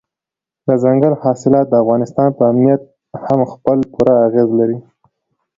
دځنګل حاصلات د افغانستان په امنیت هم خپل پوره اغېز لري.